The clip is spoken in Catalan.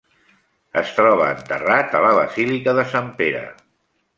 Es troba enterrat a la Basílica de Sant Pere.